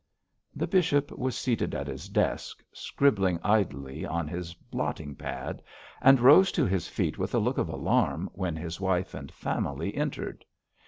The bishop was seated at his desk scribbling idly on his blotting pad, and rose to his feet with a look of alarm when his wife and family entered.